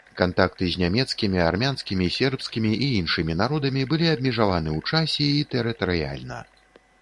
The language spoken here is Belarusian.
Кантакты з нямецкімі, армянскімі, сербскімі і іншымі народамі былі абмежаваны ў часе і тэрытарыяльна.